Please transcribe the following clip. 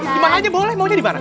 dimana aja boleh maunya dimana